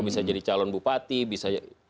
bisa jadi calon bupati bisa